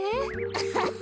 アハハ。